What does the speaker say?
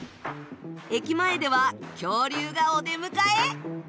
駅前では恐竜がお出迎え。